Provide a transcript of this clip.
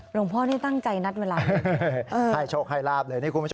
หลวงพ่อนี่ตั้งใจนัดเวลาไห้โชคไห้ราบเลย